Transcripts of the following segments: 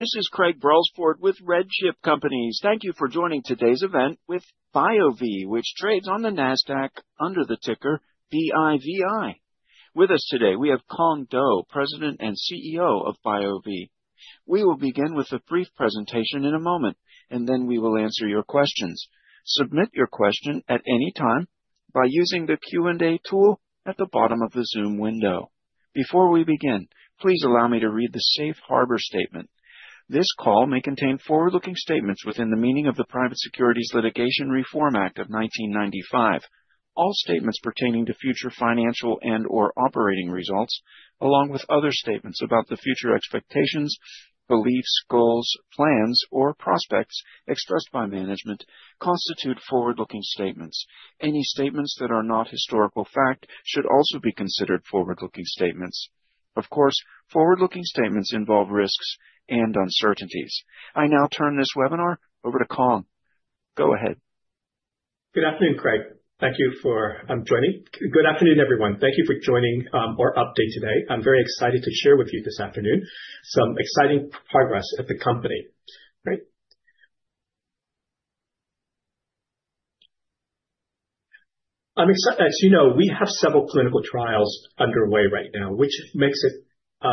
This is Craig Brelsford with RedChip Companies. Thank you for joining today's event with BioVie, which trades on the Nasdaq under the ticker BIVI. With us today, we have Cuong Do, President and CEO of BioVie. We will begin with a brief presentation in a moment, and then we will answer your questions. Submit your question at any time by using the Q&A tool at the bottom of the Zoom window. Before we begin, please allow me to read the Safe Harbor Statement. This call may contain forward-looking statements within the meaning of the Private Securities Litigation Reform Act of 1995. All statements pertaining to future financial and/or operating results, along with other statements about the future expectations, beliefs, goals, plans, or prospects expressed by management, constitute forward-looking statements. Any statements that are not historical fact should also be considered forward-looking statements. Of course, forward-looking statements involve risks and uncertainties. I now turn this webinar over to Cuong. Go ahead. Good afternoon, Craig. Thank you for joining. Good afternoon, everyone. Thank you for joining our update today. I'm very excited to share with you this afternoon some exciting progress at the company. As you know, we have several clinical trials underway right now, which makes it,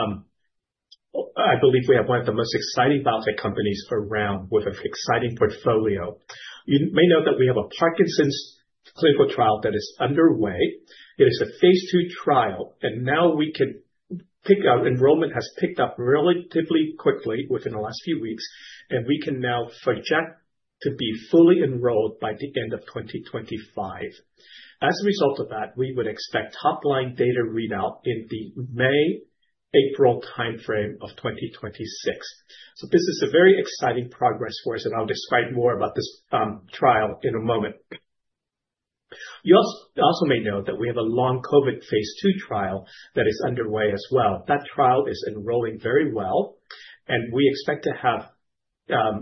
I believe, we have one of the most exciting biotech companies around with an exciting portfolio. You may know that we have a Parkinson's clinical trial that is underway. It phase II trial, and now we can pick our enrollment has picked up relatively quickly within the last few weeks, and we can now project to be fully enrolled by the end of 2025. As a result of that, we would expect top-line data readout in the May-April timeframe of 2026. So this is a very exciting progress for us, and I'll describe more about this trial in a moment. You also may know that we have a Long COVID phase II trial that is underway as well. That trial is enrolling very well, and we expect to have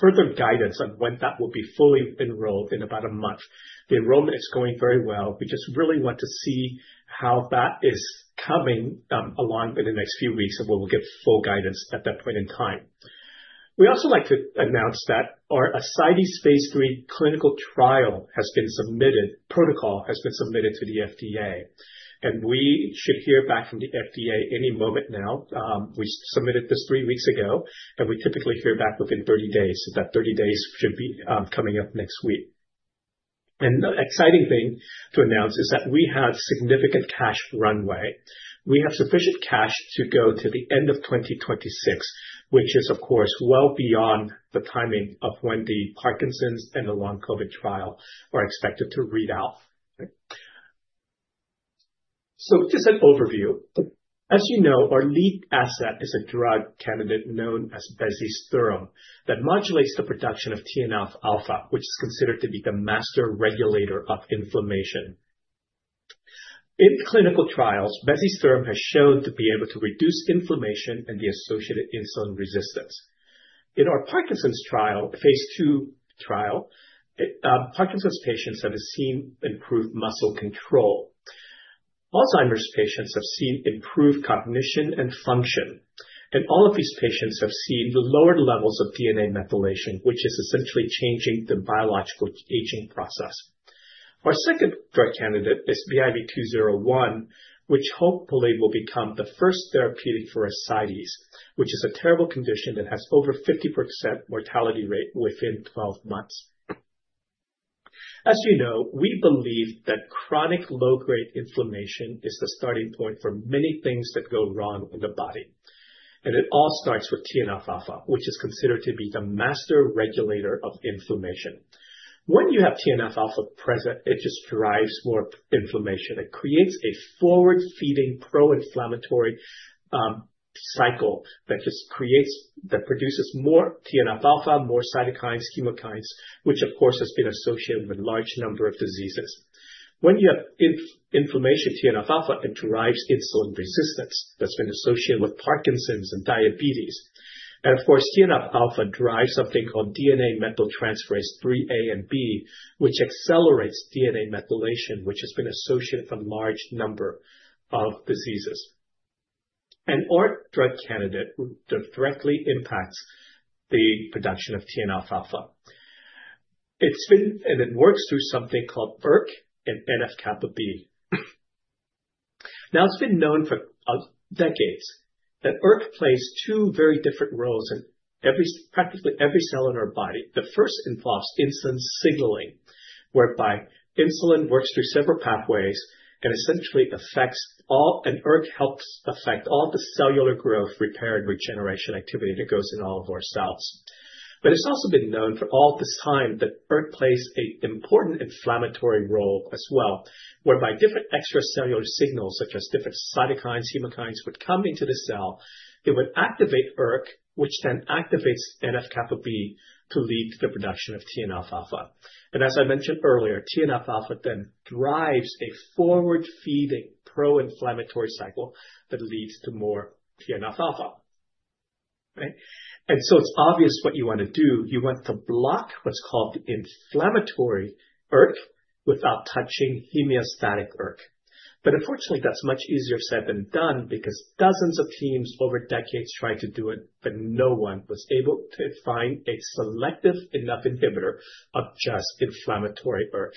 further guidance on when that will be fully enrolled in about a month. The enrollment is going very well. We just really want to see how that is coming along in the next few weeks, and we will get full guidance at that point in time. We also like to announce that our ascites phase III clinical trial has been submitted, protocol has been submitted to the FDA, and we should hear back from the FDA any moment now. We submitted this three weeks ago, and we typically hear back within 30 days, and that 30 days should be coming up next week. And the exciting thing to announce is that we have significant cash runway. We have sufficient cash to go to the end of 2026, which is, of course, well beyond the timing of when the Parkinson's and the Long COVID trial are expected to read out. So just an overview. As you know, our lead asset is a drug candidate known as bezisterim that modulates the production of TNF-alpha, which is considered to be the master regulator of inflammation. In clinical trials, bezisterim has shown to be able to reduce inflammation and the associated insulin resistance. In our phase II trial, Parkinson's patients have seen improved muscle control. Alzheimer's patients have seen improved cognition and function, and all of these patients have seen lower levels of DNA methylation, which is essentially changing the biological aging process. Our second drug candidate is BIV201, which hopefully will become the first therapeutic for ascites, which is a terrible condition that has over 50% mortality rate within 12 months. As you know, we believe that chronic low-grade inflammation is the starting point for many things that go wrong in the body, and it all starts with TNF-alpha, which is considered to be the master regulator of inflammation. When you have TNF-alpha present, it just drives more inflammation. It creates a forward-feeding pro-inflammatory cycle that produces more TNF-alpha, more cytokines, chemokines, which of course has been associated with a large number of diseases. When you have inflammation, TNF-alpha drives insulin resistance that's been associated with Parkinson's and diabetes, and of course, TNF-alpha drives something called DNA methyltransferase 3A and 3B, which accelerates DNA methylation, which has been associated for a large number of diseases. Our drug candidate directly impacts the production of TNF-alpha. It's been, and it works through something called ERK and NF-kappa B. Now, it's been known for decades that ERK plays two very different roles in practically every cell in our body. The first involves insulin signaling, whereby insulin works through several pathways and essentially affects all, and ERK helps affect all the cellular growth, repair, and regeneration activity that goes in all of our cells. But it's also been known for all the time that ERK plays an important inflammatory role as well, whereby different extracellular signals, such as different cytokines, chemokines, would come into the cell. It would activate ERK, which then activates NF-kappa B to lead to the production of TNF-alpha. And as I mentioned earlier, TNF-alpha then drives a forward-feeding pro-inflammatory cycle that leads to more TNF-alpha. And so it's obvious what you want to do. You want to block what's called the inflammatory ERK without touching homeostatic ERK. But unfortunately, that's much easier said than done because dozens of teams over decades tried to do it, but no one was able to find a selective enough inhibitor of just inflammatory ERK.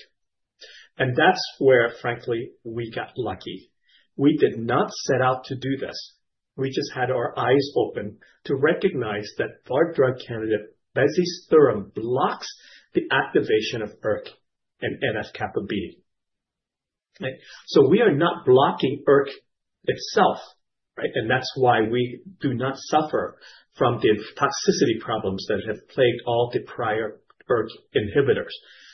And that's where, frankly, we got lucky. We did not set out to do this. We just had our eyes open to recognize that our drug candidate, bezisterim, blocks the activation of ERK and NF-kappa B. So we are not blocking ERK itself, and that's why we do not suffer from the toxicity problems that have plagued all the prior ERK inhibitors.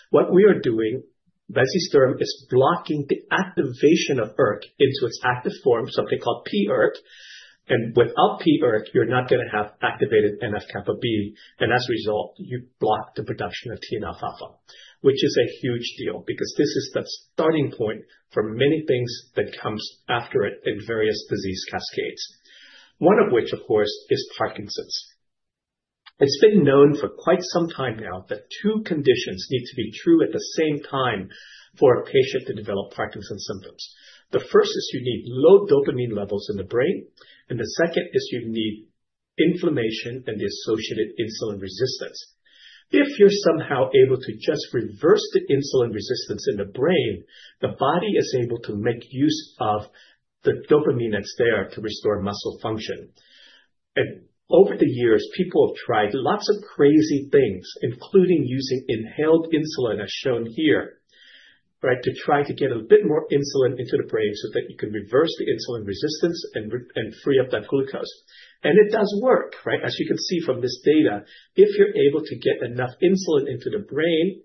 What we are doing, bezisterim, is blocking the activation of ERK into its active form, something called pERK. And without pERK, you're not going to have activated NF-kappa B. And as a result, you block the production of TNF-alpha, which is a huge deal because this is the starting point for many things that come after it in various disease cascades, one of which, of course, is Parkinson's. It's been known for quite some time now that two conditions need to be true at the same time for a patient to develop Parkinson's symptoms. The first is you need low dopamine levels in the brain, and the second is you need inflammation and the associated insulin resistance. If you're somehow able to just reverse the insulin resistance in the brain, the body is able to make use of the dopamine that's there to restore muscle function. Over the years, people have tried lots of crazy things, including using inhaled insulin, as shown here, to try to get a bit more insulin into the brain so that you can reverse the insulin resistance and free up that glucose. It does work. As you can see from this data, if you're able to get enough insulin into the brain,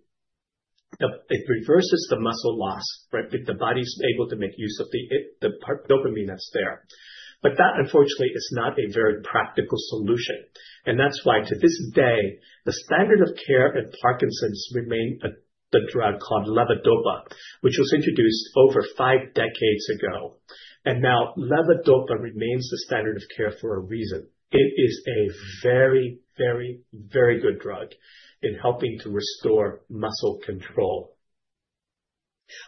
it reverses the muscle loss. The body's able to make use of the dopamine that's there. But that, unfortunately, is not a very practical solution. That's why to this day, the standard of care at Parkinson's remains the drug called levodopa, which was introduced over five decades ago. Now levodopa remains the standard of care for a reason. It is a very, very, very good drug in helping to restore muscle control.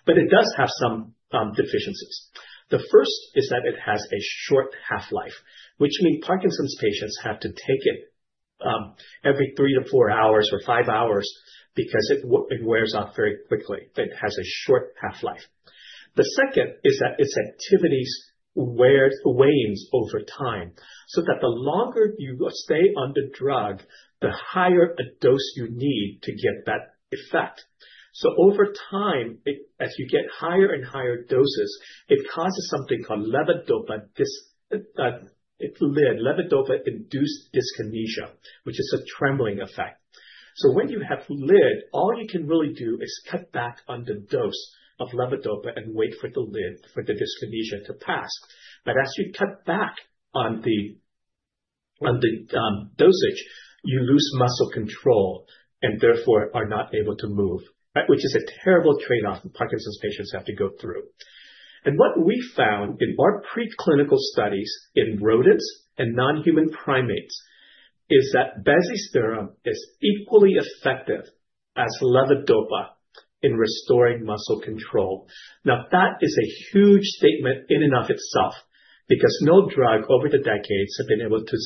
But it does have some deficiencies. The first is that it has a short half-life, which means Parkinson's patients have to take it every three to four hours or five hours because it wears off very quickly. It has a short half-life. The second is that its activity wanes over time, so that the longer you stay on the drug, the higher a dose you need to get that effect. So over time, as you get higher and higher doses, it causes something called levodopa-induced dyskinesia, which is a trembling effect. So when you have LID, all you can really do is cut back on the dose of levodopa and wait for the LID, for the dyskinesia to pass. But as you cut back on the dosage, you lose muscle control and therefore are not able to move, which is a terrible trade-off that Parkinson's patients have to go through. What we found in our preclinical studies in rodents and non-human primates is that bezisterim is equally effective as levodopa in restoring muscle control. Now, that is a huge statement in and of itself because no drug over the decades has been able to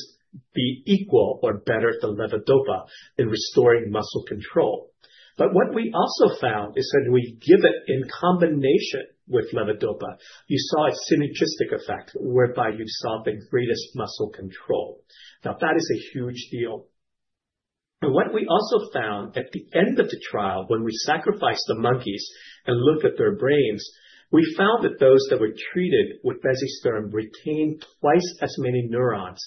be equal or better than levodopa in restoring muscle control. But what we also found is that we give it in combination with levodopa, you saw a synergistic effect whereby you saw increased muscle control. Now, that is a huge deal. What we also found at the end of the trial, when we sacrificed the monkeys and looked at their brains, we found that those that were treated with bezisterim retained twice as many neurons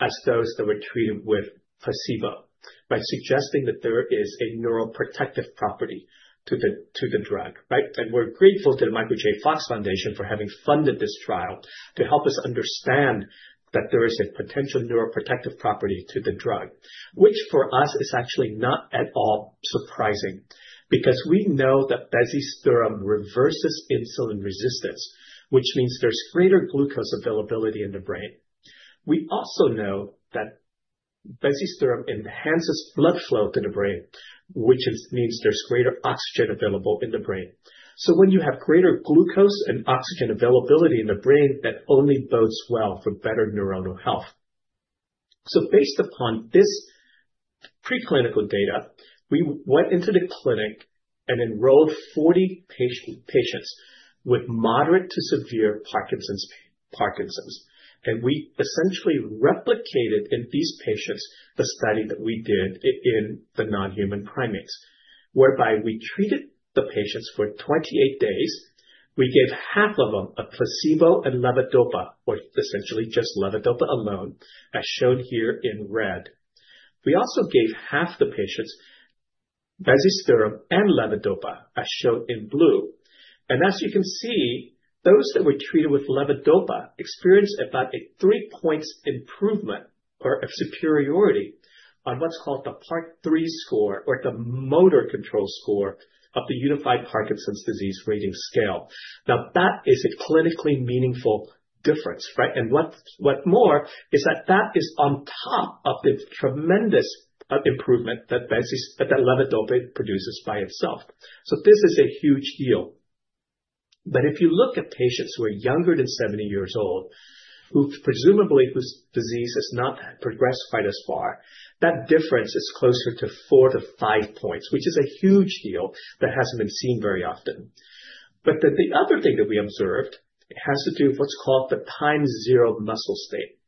as those that were treated with placebo, suggesting that there is a neuroprotective property to the drug. We're grateful to the Michael J. Fox Foundation. Fox Foundation for having funded this trial to help us understand that there is a potential neuroprotective property to the drug, which for us is actually not at all surprising because we know that bezisterim reverses insulin resistance, which means there's greater glucose availability in the brain. We also know that bezisterim enhances blood flow to the brain, which means there's greater oxygen available in the brain. So when you have greater glucose and oxygen availability in the brain, that only bodes well for better neuronal health. So based upon this preclinical data, we went into the clinic and enrolled 40 patients with moderate to severe Parkinson's. And we essentially replicated in these patients the study that we did in the non-human primates, whereby we treated the patients for 28 days. We gave half of them a placebo and levodopa, or essentially just levodopa alone, as shown here in red. We also gave half the patients bezisterim and levodopa, as shown in blue, and as you can see, those that were treated with levodopa experienced about a three-point improvement or a superiority on what's called the part three score or the motor control score of the Unified Parkinson's Disease Rating Scale. Now, that is a clinically meaningful difference, and what more is that that is on top of the tremendous improvement that levodopa produces by itself, so this is a huge deal. If you look at patients who are younger than 70 years old, presumably whose disease has not progressed quite as far, that difference is closer to four to five points, which is a huge deal that hasn't been seen very often, but the other thing that we observed has to do with what's called the time zero muscle state.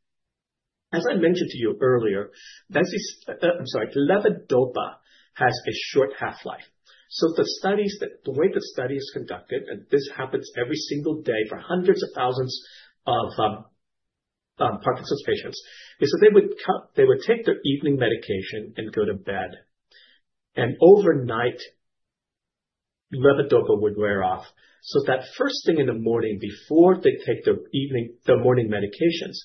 As I mentioned to you earlier, I'm sorry, levodopa has a short half-life so the studies that the way the study is conducted, and this happens every single day for hundreds of thousands of Parkinson's patients, is that they would take their evening medication and go to bed and overnight, levodopa would wear off so that first thing in the morning, before they take their morning medications,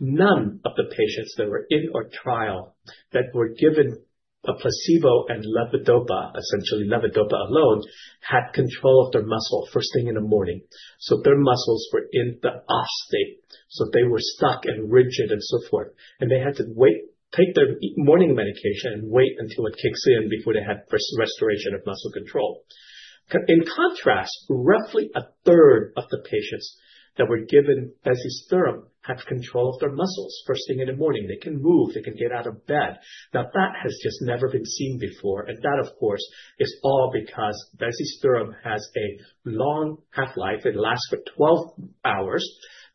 none of the patients that were in our trial that were given a placebo and levodopa, essentially levodopa alone, had control of their muscle first thing in the morning so their muscles were in the off state so they were stuck and rigid and so forth and they had to wait, take their morning medication and wait until it kicks in before they had restoration of muscle control. In contrast, roughly a third of the patients that were given bezisterim had control of their muscles first thing in the morning. They can move. They can get out of bed. Now, that has just never been seen before. And that, of course, is all because bezisterim has a long half-life. It lasts for 12 hours,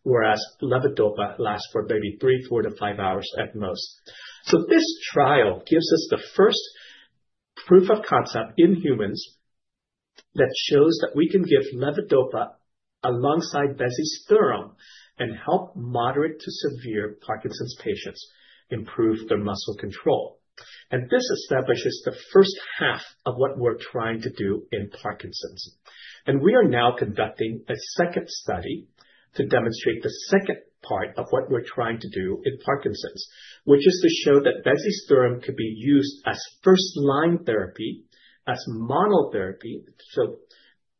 whereas levodopa lasts for maybe three, four, to five hours at most. So this trial gives us the first proof of concept in humans that shows that we can give levodopa alongside bezisterim and help moderate to severe Parkinson's patients improve their muscle control. And this establishes the first half of what we're trying to do in Parkinson's. And we are now conducting a second study to demonstrate the second part of what we're trying to do in Parkinson's, which is to show that bezisterim could be used as first-line therapy, as monotherapy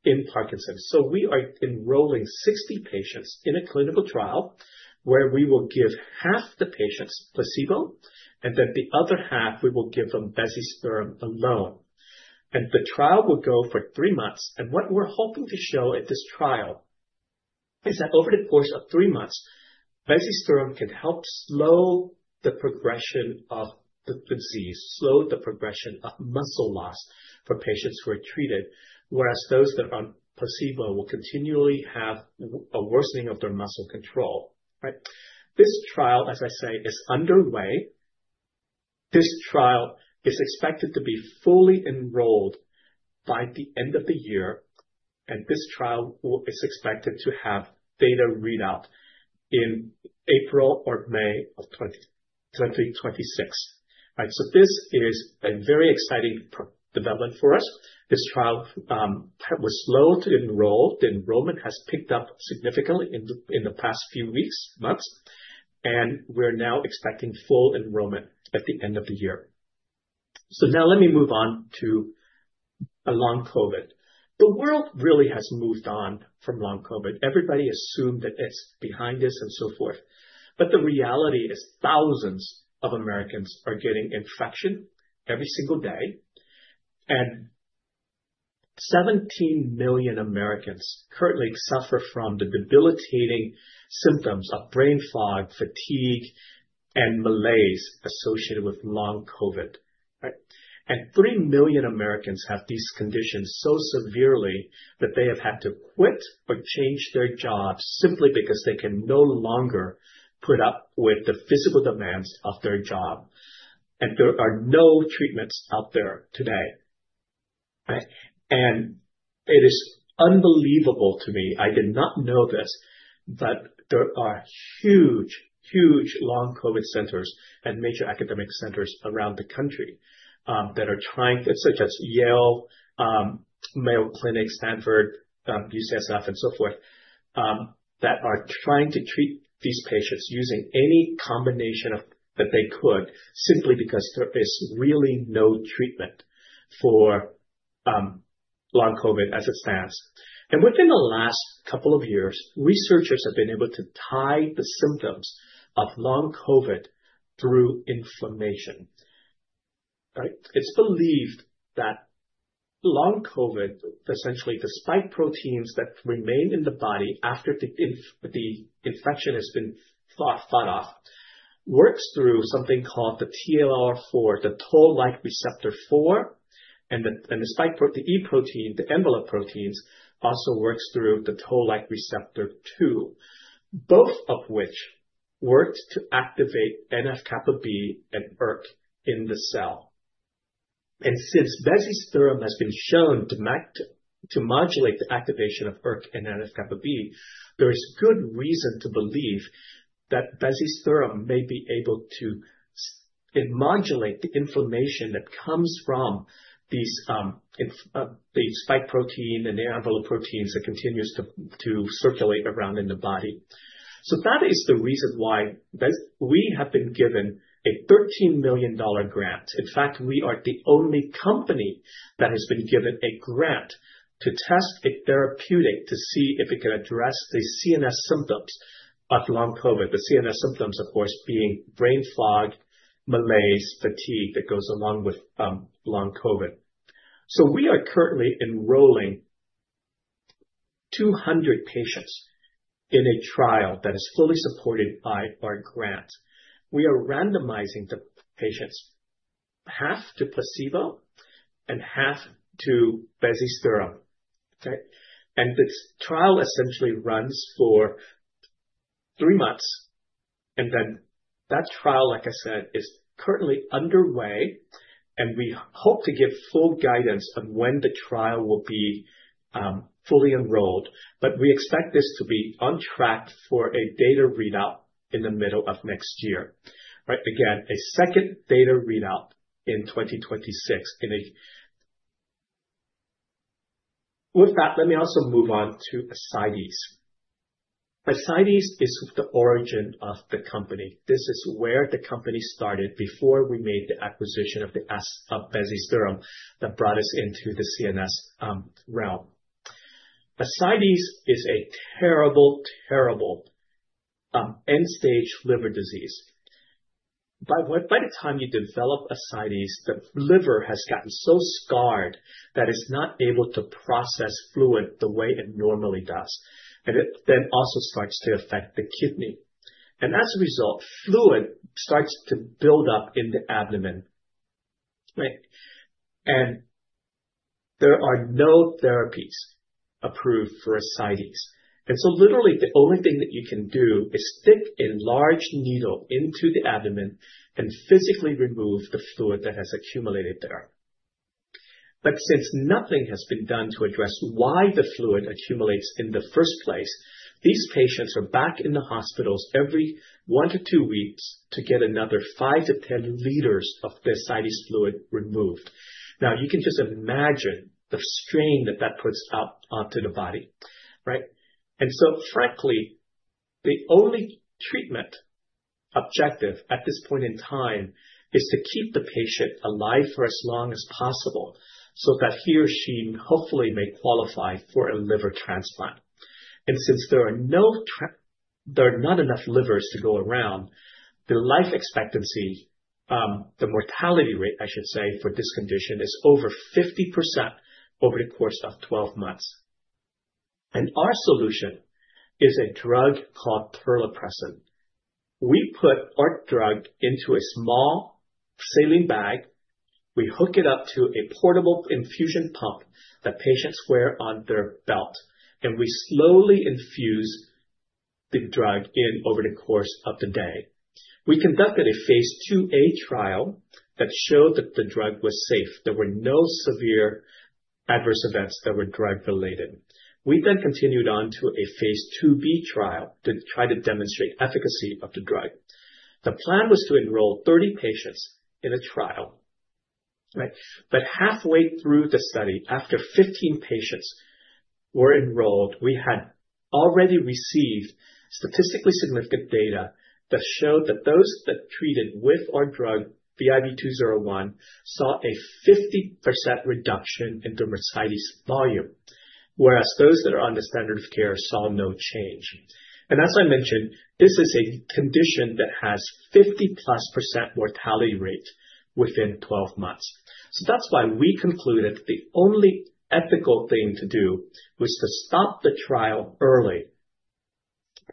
in Parkinson's. So we are enrolling 60 patients in a clinical trial where we will give half the patients placebo, and then the other half, we will give them bezisterim alone. And the trial will go for three months. And what we're hoping to show at this trial is that over the course of three months, bezisterim can help slow the progression of the disease, slow the progression of muscle loss for patients who are treated, whereas those that are on placebo will continually have a worsening of their muscle control. This trial, as I say, is underway. This trial is expected to be fully enrolled by the end of the year. This trial is expected to have data readout in April or May of 2026. So this is a very exciting development for us. This trial was slow to enroll. The enrollment has picked up significantly in the past few weeks, months. And we're now expecting full enrollment at the end of the year. So now let me move on to Long COVID. The world really has moved on from Long COVID. Everybody assumed that it's behind us and so forth. But the reality is thousands of Americans are getting infection every single day. And 17 million Americans currently suffer from the debilitating symptoms of brain fog, fatigue, and malaise associated with Long COVID. And 3 million Americans have these conditions so severely that they have had to quit or change their job simply because they can no longer put up with the physical demands of their job. There are no treatments out there today. It is unbelievable to me. I did not know this, but there are huge, huge Long COVID centers and major academic centers around the country that are trying, such as Yale, Mayo Clinic, Stanford, UCSF, and so forth, that are trying to treat these patients using any combination that they could simply because there is really no treatment for Long COVID as it stands. Within the last couple of years, researchers have been able to tie the symptoms of Long COVID through inflammation. It's believed that Long COVID, essentially the spike proteins that remain in the body after the infection has been fought off, works through something called the TLR4, the Toll-like receptor 4. And the spike protein, the E protein, the envelope proteins also works through the Toll-like receptor 2, both of which worked to activate NF-kappa B and ERK in the cell. And since bezisterim has been shown to modulate the activation of ERK and NF-kappa B, there is good reason to believe that bezisterim may be able to modulate the inflammation that comes from the spike protein and the envelope proteins that continues to circulate around in the body. So that is the reason why we have been given a $13 million grant. In fact, we are the only company that has been given a grant to test a therapeutic to see if it can address the CNS symptoms of long COVID, the CNS symptoms, of course, being brain fog, malaise, fatigue that goes along with long COVID. We are currently enrolling 200 patients in a trial that is fully supported by our grant. We are randomizing the patients half to placebo and half to bezisterim. This trial essentially runs for three months. Then that trial, like I said, is currently underway. We hope to give full guidance on when the trial will be fully enrolled. We expect this to be on track for a data readout in the middle of next year. Again, a second data readout in 2026. With that, let me also move on to ascites. Ascites is the origin of the company. This is where the company started before we made the acquisition of bezisterim that brought us into the CNS realm. Ascites is a terrible, terrible end-stage liver disease. By the time you develop ascites, the liver has gotten so scarred that it's not able to process fluid the way it normally does. And it then also starts to affect the kidney. And as a result, fluid starts to build up in the abdomen. And there are no therapies approved for ascites. And so literally, the only thing that you can do is stick a large needle into the abdomen and physically remove the fluid that has accumulated there. But since nothing has been done to address why the fluid accumulates in the first place, these patients are back in the hospitals every one to two weeks to get another five to 10 L of the ascites fluid removed. Now, you can just imagine the strain that that puts up onto the body. And so frankly, the only treatment objective at this point in time is to keep the patient alive for as long as possible so that he or she hopefully may qualify for a liver transplant. And since there are not enough livers to go around, the life expectancy, the mortality rate, I should say, for this condition is over 50% over the course of 12 months. And our solution is a drug called terlipressin. We put our drug into a small saline bag. We hook it up to a portable infusion pump that patients wear on their belt. And we slowly infuse the drug over the course of the day. phase II-A trial that showed that the drug was safe. There were no severe adverse events that were drug-related. We then continued phase II-B trial to try to demonstrate efficacy of the drug. The plan was to enroll 30 patients in a trial. But halfway through the study, after 15 patients were enrolled, we had already received statistically significant data that showed that those that treated with our drug, BIV201, saw a 50% reduction in ascites volume, whereas those that are on the standard of care saw no change. And as I mentioned, this is a condition that has 50+% mortality rate within 12 months. So that's why we concluded that the only ethical thing to do was to stop the trial early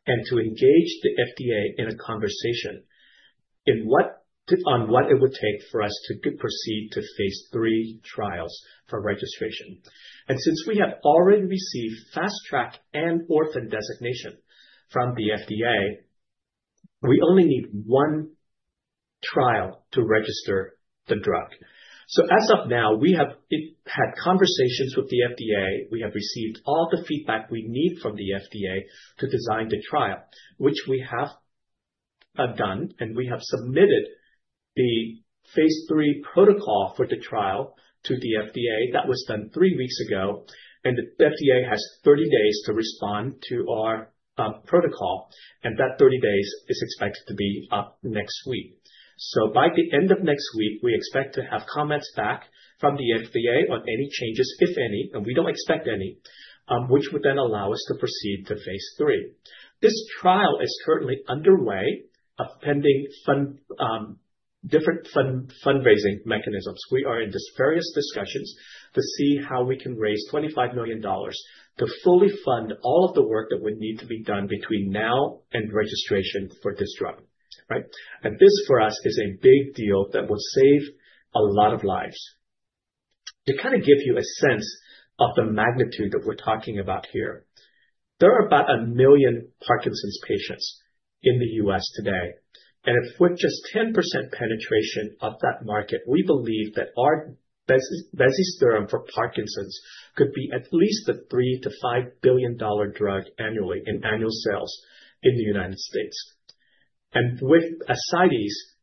and to engage the FDA in a conversation on what it would take for us to proceed to phase III trials for registration. And since we have already received fast track and orphan designation from the FDA, we only need one trial to register the drug. So as of now, we have had conversations with the FDA. We have received all the feedback we need from the FDA to design the trial, which we have done, and we have phase III protocol for the trial to the FDA. That was done three weeks ago, and the FDA has 30 days to respond to our protocol, and that 30 days is expected to be up next week, so by the end of next week, we expect to have comments back from the FDA on any changes, if any, and we don't expect any, which would then allow us to phase III. this trial is currently under way pending different fundraising mechanisms. We are in various discussions to see how we can raise $25 million to fully fund all of the work that would need to be done between now and registration for this drug. This for us is a big deal that will save a lot of lives. To kind of give you a sense of the magnitude that we're talking about here, there are about a million Parkinson's patients in the U.S. today. If we're just 10% penetration of that market, we believe that our bezisterim for Parkinson's could be at least a $3 billion-$5 billion drug annually in annual sales in the United States. With ascites,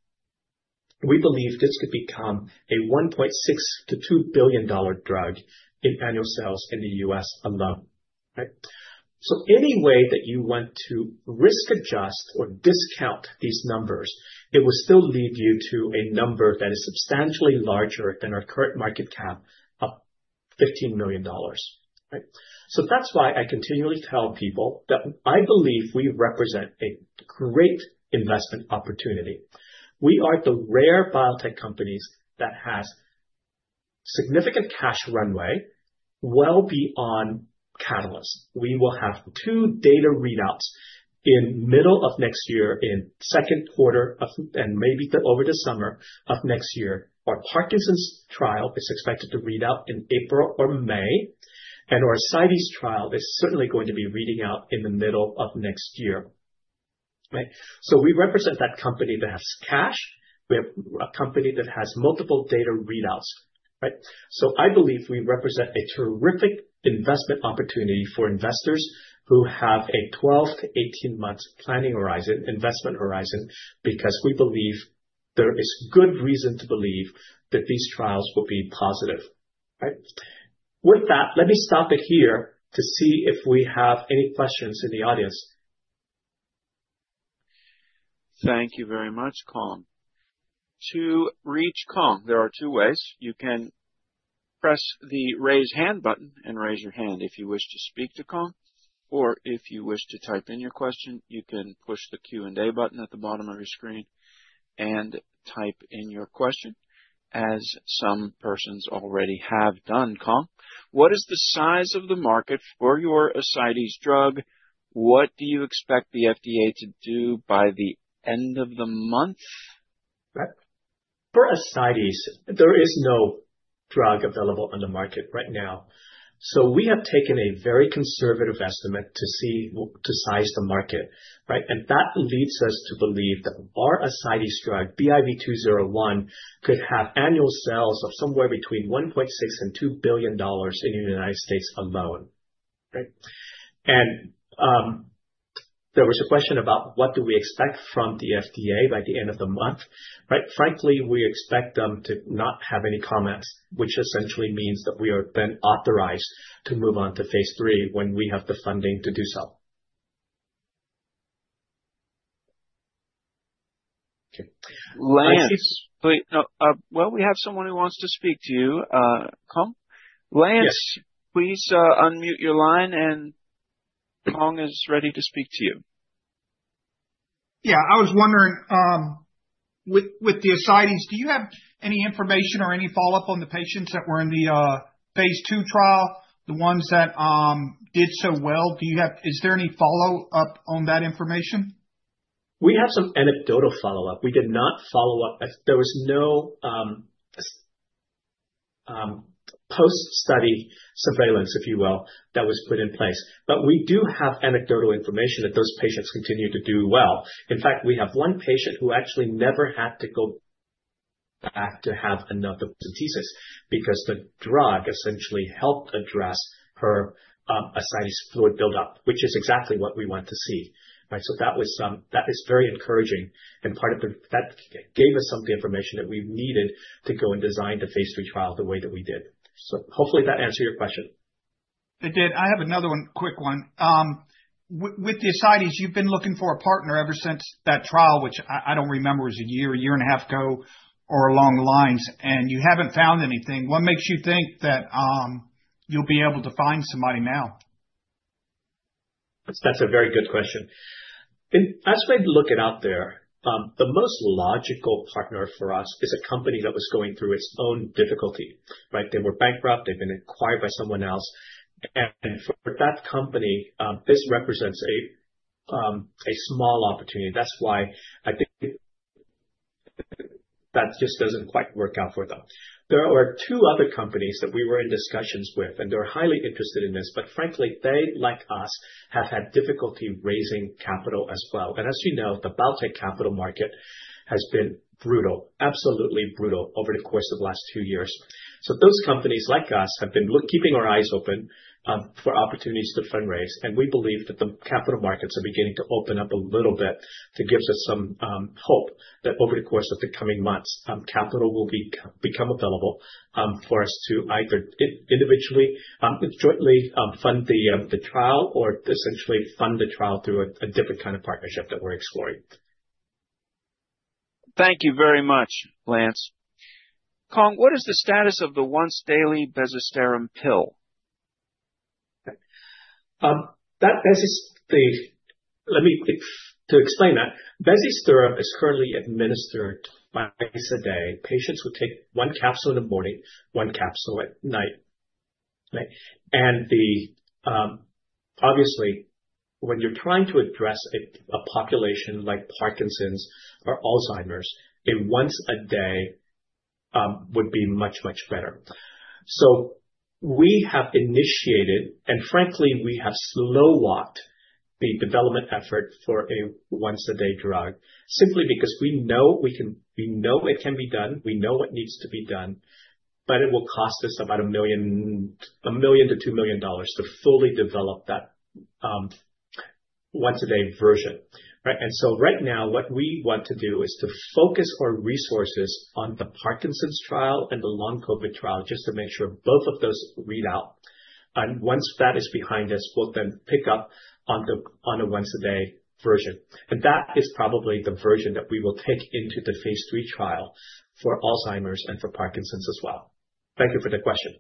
we believe this could become a $1.6 billion-$2 billion drug in annual sales in the U.S. alone. Any way that you want to risk adjust or discount these numbers, it will still lead you to a number that is substantially larger than our current market cap of $15 million. That's why I continually tell people that I believe we represent a great investment opportunity. We are the rare biotech companies that have significant cash runway well beyond catalysts. We will have two data readouts in the middle of next year, in the second quarter of, and maybe over the summer of next year. Our Parkinson's trial is expected to read out in April or May. And our ascites trial is certainly going to be reading out in the middle of next year. So we represent that company that has cash. We have a company that has multiple data readouts. So I believe we represent a terrific investment opportunity for investors who have a 12-18 months planning horizon, investment horizon, because we believe there is good reason to believe that these trials will be positive. With that, let me stop it here to see if we have any questions in the audience. Thank you very much, Cuong. To reach Cuong, there are two ways. You can press the raise hand button and raise your hand if you wish to speak to Cuong. Or if you wish to type in your question, you can push the Q&A button at the bottom of your screen and type in your question, as some persons already have done. Cuong, what is the size of the market for your ascites drug? What do you expect the FDA to do by the end of the month? For ascites, there is no drug available on the market right now, so we have taken a very conservative estimate to size the market, and that leads us to believe that our ascites drug, BIV201, could have annual sales of somewhere between $1.6 billion-$2 billion in the United States alone. There was a question about what do we expect from the FDA by the end of the month. Frankly, we expect them to not have any comments, which essentially means that we are then authorized to move on to phase III when we have the funding to do so. Okay. Lance. Well, we have someone who wants to speak to you, Cuong. Lance, please unmute your line, and Cuong is ready to speak to you. Yeah, I was wondering, with the ascites, do you have any information or any follow-up on the patients that were in the phase II trial, the ones that did so well? Is there any follow-up on that information? We have some anecdotal follow-up. We did not follow up. There was no post-study surveillance, if you will, that was put in place. But we do have anecdotal information that those patients continued to do well. In fact, we have one patient who actually never had to go back to have another paracentesis because the drug essentially helped address her ascites fluid buildup, which is exactly what we want to see. So that is very encouraging. And part of that gave us some of the information that we needed to go and design the phase III trial the way that we did. So hopefully that answered your question. It did. I have another one, quick one. With the ascites, you've been looking for a partner ever since that trial, which I don't remember was a year, a year and a half ago, or along those lines, and you haven't found anything. What makes you think that you'll be able to find somebody now? That's a very good question. As we look out there, the most logical partner for us is a company that was going through its own difficulty. They were bankrupt. They've been acquired by someone else. And for that company, this represents a small opportunity. That's why I think that just doesn't quite work out for them. There are two other companies that we were in discussions with, and they're highly interested in this. But frankly, they, like us, have had difficulty raising capital as well. And as you know, the biotech capital market has been brutal, absolutely brutal over the course of the last two years. So those companies like us have been keeping our eyes open for opportunities to fundraise. We believe that the capital markets are beginning to open up a little bit to give us some hope that over the course of the coming months, capital will become available for us to either individually and jointly fund the trial or essentially fund the trial through a different kind of partnership that we're exploring. Thank you very much, Lance. Cuong, what is the status of the once-daily bezisterim pill? Let me explain that. bezisterim is currently administered twice a day. Patients would take one capsule in the morning, one capsule at night. And obviously, when you're trying to address a population like Parkinson's or Alzheimer's, a once-a-day would be much, much better. We have initiated, and frankly, we have slow-walked the development effort for a once-a-day drug simply because we know it can be done. We know what needs to be done, but it will cost us about $1 million-$2 million to fully develop that once-a-day version. And so right now, what we want to do is to focus our resources on the Parkinson's trial and the Long COVID trial just to make sure both of those read out. And once that is behind us, we'll then pick up on a once-a-day version. And that is probably the version that we will take into the phase III trial for Alzheimer's and for Parkinson's as well. Thank you for the question.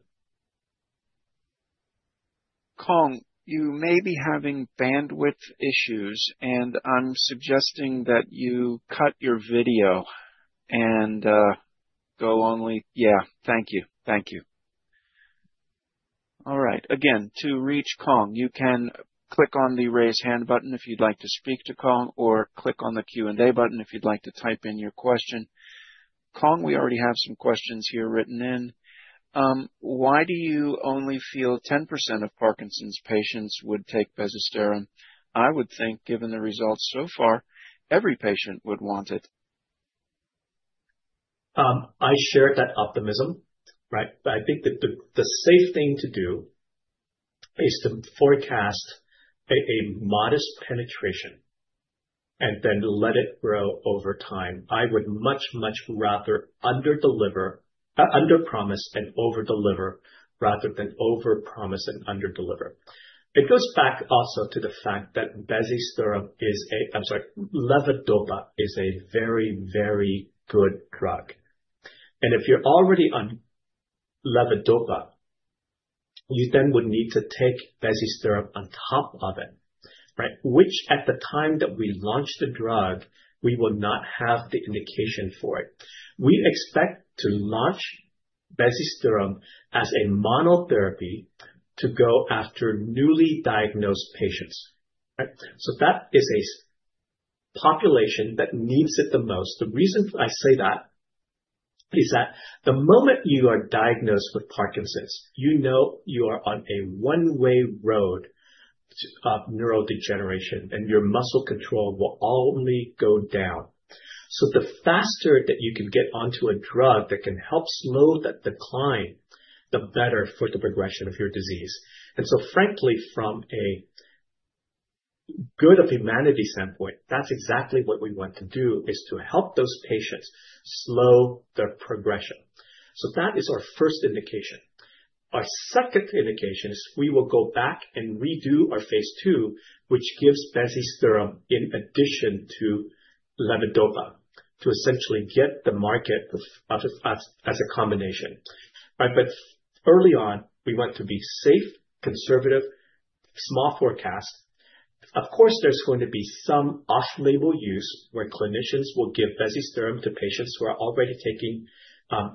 Cuong, you may be having bandwidth issues, and I'm suggesting that you cut your video and go only. Yeah. Thank you. Thank you. All right. Again, to reach Cuong, you can click on the raise hand button if you'd like to speak to Cuong, or click on the Q&A button if you'd like to type in your question. Cuong, we already have some questions here written in. Why do you only feel 10% of Parkinson's patients would take bezisterim? I would think, given the results so far, every patient would want it. I share that optimism. I think that the safe thing to do is to forecast a modest penetration and then let it grow over time. I would much, much rather under-promise and over-deliver rather than over-promise and under-deliver. It goes back also to the fact that bezisterim is a, I'm sorry, levodopa is a very, very good drug. And if you're already on levodopa, you then would need to take bezisterim on top of it, which at the time that we launched the drug, we will not have the indication for it. We expect to launch bezisterim as a monotherapy to go after newly diagnosed patients. So that is a population that needs it the most. The reason I say that is that the moment you are diagnosed with Parkinson's, you know you are on a one-way road of neurodegeneration, and your muscle control will only go down. So the faster that you can get onto a drug that can help slow that decline, the better for the progression of your disease. And so frankly, from a good of humanity standpoint, that's exactly what we want to do is to help those patients slow their progression. So that is our first indication. Our second indication is we will go back and phase II, which gives bezisterim in addition to levodopa to essentially get the market as a combination. But early on, we want to be safe, conservative, small forecast. Of course, there's going to be some off-label use where clinicians will give bezisterim to patients who are already taking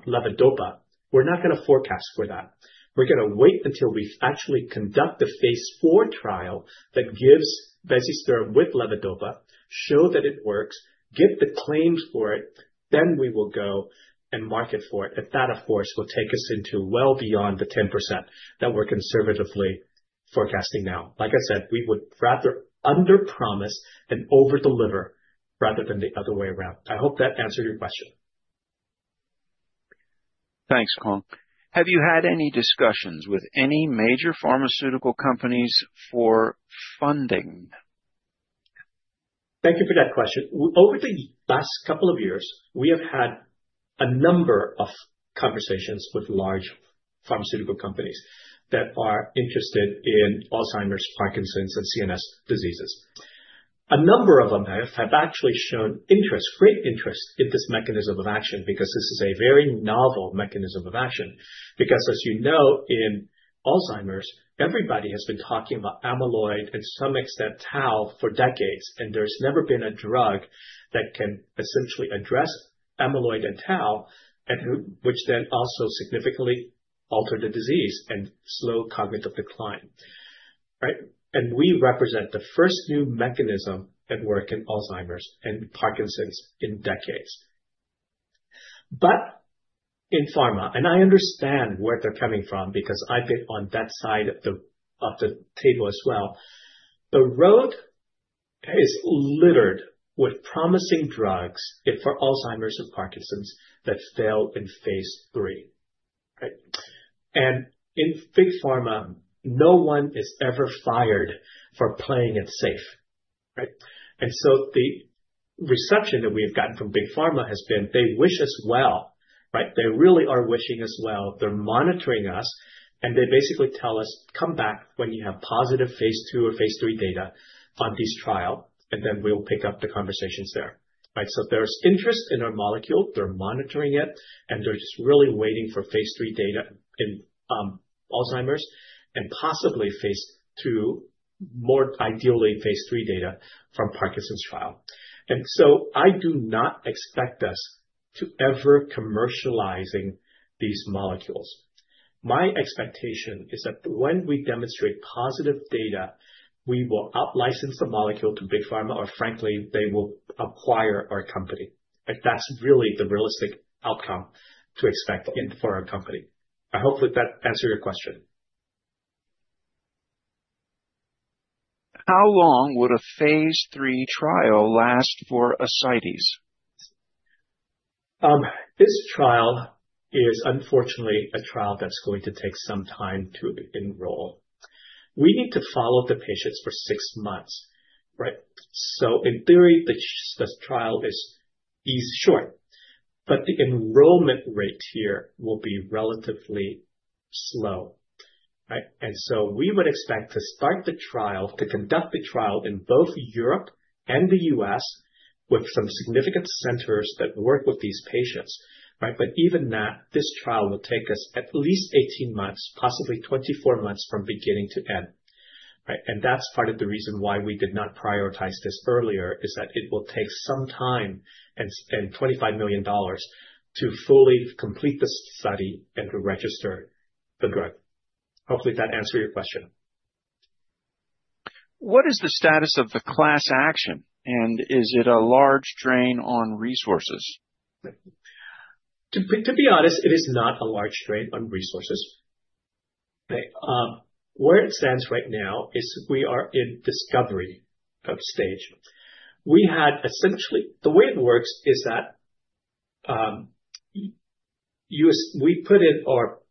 levodopa. We're not going to forecast for that. We're going to wait until we actually phase IV trial that gives bezisterim with levodopa, show that it works, get the claims for it, then we will go and market for it. If that, of course, will take us into well beyond the 10% that we're conservatively forecasting now. Like I said, we would rather under-promise and over-deliver rather than the other way around. I hope that answered your question. Thanks, Cuong. Have you had any discussions with any major pharmaceutical companies for funding? Thank you for that question. Over the last couple of years, we have had a number of conversations with large pharmaceutical companies that are interested in Alzheimer's, Parkinson's, and CNS diseases. A number of them have actually shown interest, great interest in this mechanism of action because this is a very novel mechanism of action. Because as you know, in Alzheimer's, everybody has been talking about amyloid and to some extent tau for decades, and there's never been a drug that can essentially address amyloid and tau, which then also significantly alter the disease and slow cognitive decline, and we represent the first new mechanism at work in Alzheimer's and Parkinson's in decades. But in pharma, and I understand where they're coming from because I've been on that side of the table as well, the road is littered with promising drugs for Alzheimer's and Parkinson's that fail in phase III. And in big pharma, no one is ever fired for playing it safe. And so the reception that we have gotten from big pharma has been, "they wish us well." They really are wishing us well. They're monitoring us, and they basically tell us, "Come back when you have positive phase II or phase III data on these trials," and then we'll pick up the conversations there. So there's interest in our molecule. They're monitoring it, and they're just really waiting for phase III data in Alzheimer's and possibly phase II, more ideally phase III data from Parkinson's trial. And so I do not expect us to ever commercialize these molecules. My expectation is that when we demonstrate positive data, we will out-license the molecule to big pharma, or frankly, they will acquire our company. That's really the realistic outcome to expect for our company. I hope that answered your question. How long phase III trial last for ascites? This trial is unfortunately a trial that's going to take some time to enroll. We need to follow the patients for six months. So in theory, the trial is short, but the enrollment rate here will be relatively slow. And so we would expect to start the trial, to conduct the trial in both Europe and the US with some significant centers that work with these patients. But even that, this trial will take us at least 18 months, possibly 24 months from beginning to end. That's part of the reason why we did not prioritize this earlier is that it will take some time and $25 million to fully complete the study and to register the drug. Hopefully, that answered your question. What is the status of the class action? And is it a large drain on resources? To be honest, it is not a large drain on resources. Where it stands right now is we are in discovery stage. We had essentially, the way it works is that we put in our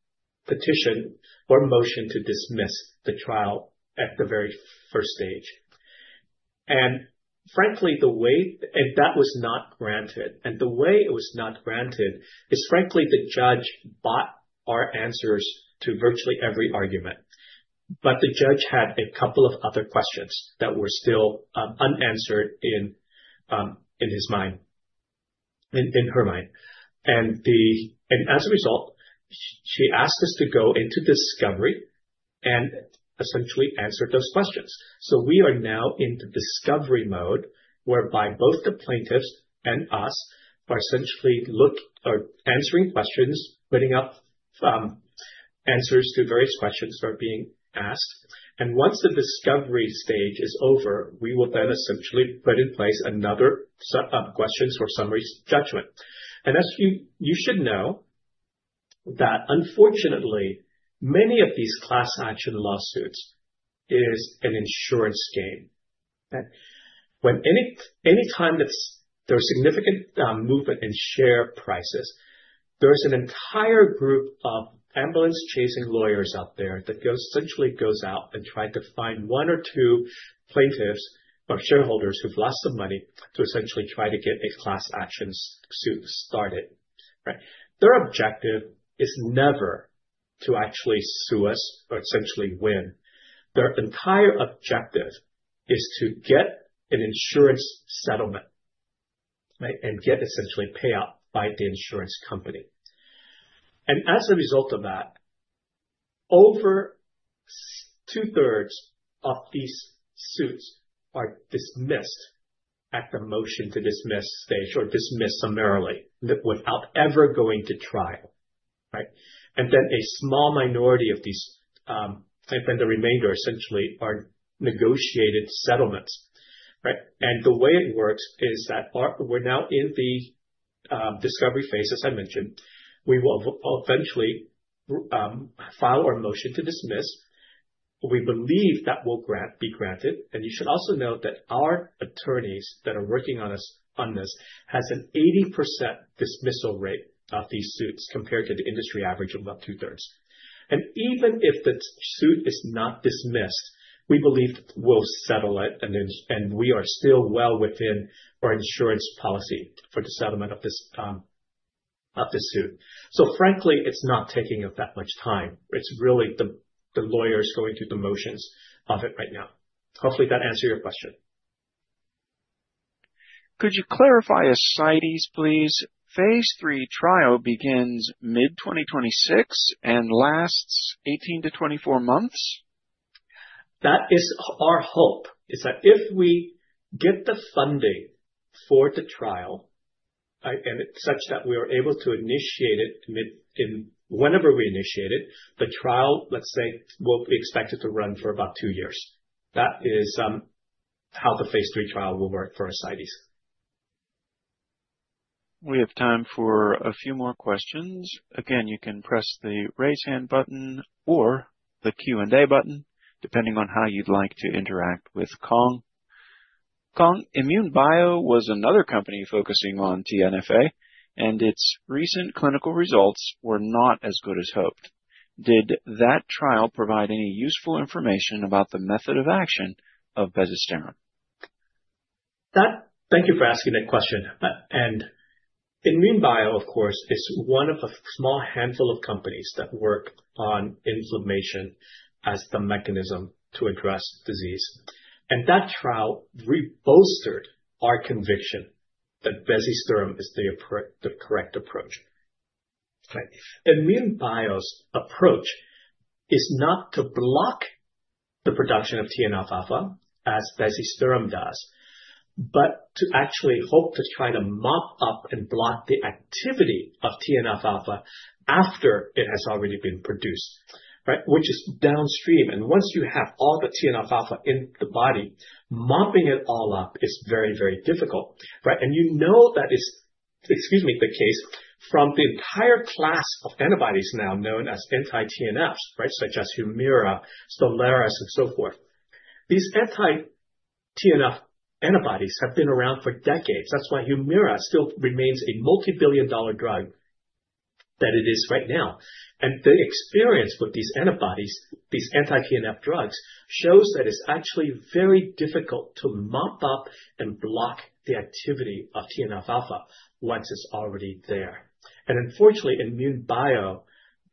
petition or motion to dismiss the trial at the very first stage. And frankly, the way that was not granted, and the way it was not granted is frankly, the judge bought our answers to virtually every argument. But the judge had a couple of other questions that were still unanswered in his mind, in her mind. And as a result, she asked us to go into discovery and essentially answered those questions. So we are now in the discovery mode whereby both the plaintiffs and us are essentially answering questions, putting up answers to various questions that are being asked. And once the discovery stage is over, we will then essentially put in place another set of questions for summary judgment. And as you should know, that unfortunately, many of these class action lawsuits are an insurance game. When any time there's significant movement in share prices, there's an entire group of ambulance-chasing lawyers out there that essentially goes out and tries to find one or two plaintiffs or shareholders who've lost some money to essentially try to get a class action suit started. Their objective is never to actually sue us or essentially win. Their entire objective is to get an insurance settlement and get essentially a payout by the insurance company, and as a result of that, over two-thirds of these suits are dismissed at the motion-to-dismiss stage or dismissed summarily without ever going to trial, and then a small minority of these, and then the remainder essentially are negotiated settlements, and the way it works is that we're now in the discovery phase, as I mentioned. We will eventually file our motion to dismiss. We believe that will be granted, and you should also note that our attorneys that are working on this have an 80% dismissal rate of these suits compared to the industry average of about two-thirds, and even if the suit is not dismissed, we believe we'll settle it, and we are still well within our insurance policy for the settlement of this suit. Frankly, it's not taking up that much time. It's really the lawyers going through the motions of it right now. Hopefully, that answered your question. Could you clarify phase III trial begins mid-2026 and lasts 18 to 24 months? That is our hope, is that if we get the funding for the trial, and it's such that we are able to initiate it whenever we initiate it, the trial, let's say, will be expected to run for about two years. That is phase III trial will work for ascites. We have time for a few more questions. Again, you can press the raise hand button or the Q&A button, depending on how you'd like to interact with Cuong. INmune Bio was another company focusing on TNF-alpha, and its recent clinical results were not as good as hoped. Did that trial provide any useful information about the method of action of bezisterim? Thank you for asking that question, and INmune Bio, of course, is one of a small handful of companies that work on inflammation as the mechanism to address disease, and that trial reboosted our conviction that bezisterim is the correct approach. INmune Bio's approach is not to block the production of TNF-alpha as bezisterim does, but to actually hope to try to mop up and block the activity of TNF-alpha after it has already been produced, which is downstream, and once you have all the TNF-alpha in the body, mopping it all up is very, very difficult, and you know that is, excuse me, the case from the entire class of antibodies now known as anti-TNFs, such as HUMIRA, STELARA, and so forth. These anti-TNF antibodies have been around for decades. That's why HUMIRA still remains a multi-billion-dollar drug that it is right now. And the experience with these antibodies, these anti-TNF drugs, shows that it's actually very difficult to mop up and block the activity of TNF-alpha once it's already there. And unfortunately, INmune Bio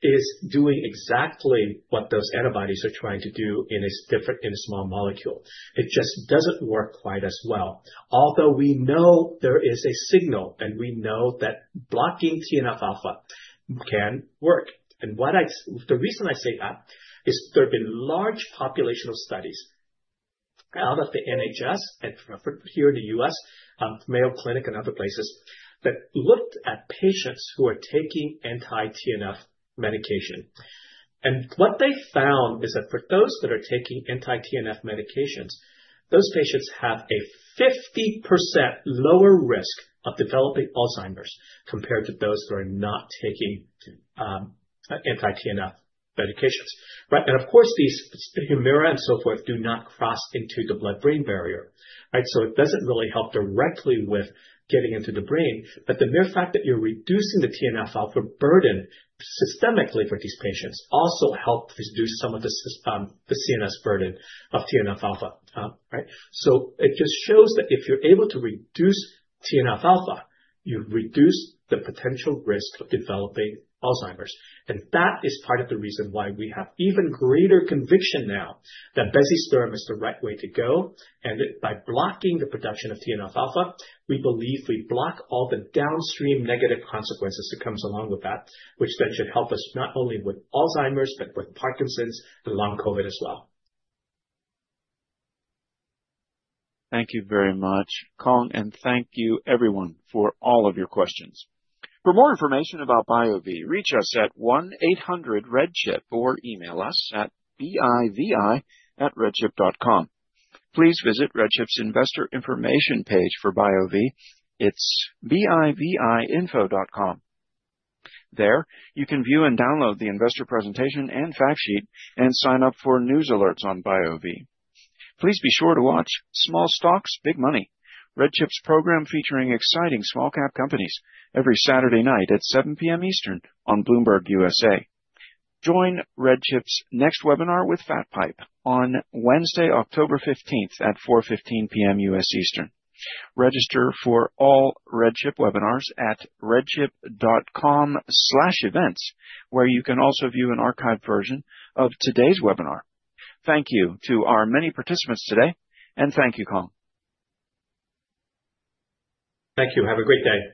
is doing exactly what those antibodies are trying to do in a small molecule. It just doesn't work quite as well. Although we know there is a signal and we know that blocking TNF-alpha can work. And the reason I say that is there have been large population studies out of the NHS and here in the U.S., Mayo Clinic and other places that looked at patients who are taking anti-TNF medication. And what they found is that for those that are taking anti-TNF medications, those patients have a 50% lower risk of developing Alzheimer's compared to those that are not taking anti-TNF medications. And of course, these HUMIRA and so forth do not cross into the blood-brain barrier. So it doesn't really help directly with getting into the brain, but the mere fact that you're reducing the TNF-alpha burden systemically for these patients also helps reduce some of the CNS burden of TNF-alpha. So it just shows that if you're able to reduce TNF-alpha, you reduce the potential risk of developing Alzheimer's. And that is part of the reason why we have even greater conviction now that bezisterim is the right way to go. And by blocking the production of TNF-alpha, we believe we block all the downstream negative consequences that come along with that, which then should help us not only with Alzheimer's, but with Parkinson's and Long COVID as well. Thank you very much, Cuong, and thank you everyone for all of your questions. For more information about BioVie, reach us at 1-800-REDCHIP or email us at bivi@redchip.com. Please visit RedChip's investor information page for BioVie. It's biviinfo.com. There you can view and download the investor presentation and fact sheet and sign up for news alerts on BioVie. Please be sure to watch Small Stocks, Big Money, RedChip's program featuring exciting small-cap companies every Saturday night at 7:00 P.M. Eastern on Bloomberg U.S.A. Join RedChip's next webinar with FatPipe on Wednesday, October 15th at 4:15 P.M. U.S. Eastern. Register for all RedChip webinars at redchip.com/events, where you can also view an archived version of today's webinar. Thank you to our many participants today, and thank you, Cuong. Thank you. Have a great day.